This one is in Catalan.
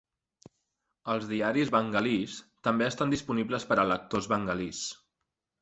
Els diaris bengalís també estan disponibles per a lectors bengalís.